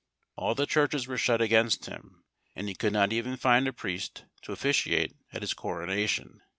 All the churches were shut against him, and he could not even find a priest to officiate at his coronation.